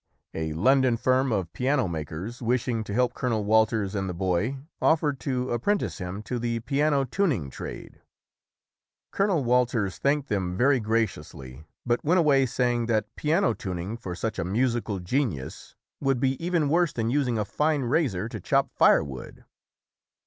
A London firm of piano makers, wishing to help Colonel Walters and the boy, offered to appren tice him to the piano tuning trade. Colonel Wal ters thanked them very graciously but went away 136 ] UNSUNG HEROES saying that piano tuning for such a musical genius would be even worse than using a fine razor to chop firewood.